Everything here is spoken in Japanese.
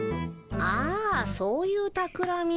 あそういうたくらみ。